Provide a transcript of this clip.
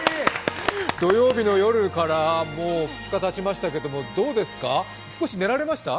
土曜日の夜からもう２日たちましたけどどうですか、少し寝られました？